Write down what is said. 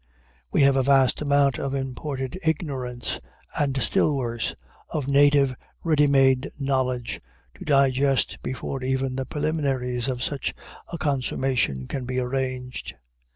We have a vast amount of imported ignorance, and, still worse, of native ready made knowledge, to digest before even the preliminaries of such a consummation can be arranged.